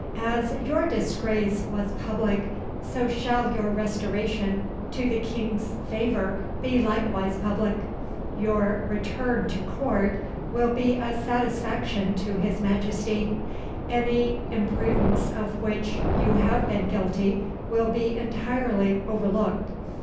"As your disgrace was public, so shall your restoration to the King's favour be likewise public. Your return to Court will be a satisfaction to his Majesty. Any imprudence of which you have been guilty will be entirely overlooked.